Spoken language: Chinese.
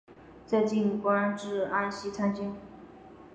在晋官至安西参军。